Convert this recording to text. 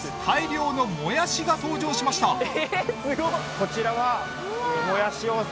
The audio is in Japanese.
大量のもやしが登場しました。